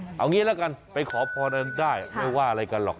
เอาอย่างนี้ละกันไปขอพร้อมได้ไม่ว่าอะไรกันหรอก